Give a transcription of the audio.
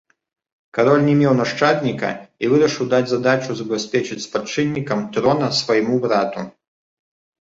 Кароль не меў нашчадніка і вырашыў даць задачу забяспечыць спадчыннікам трона свайму брату.